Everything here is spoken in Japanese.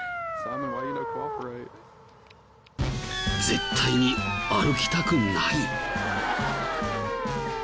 絶対に歩きたくない。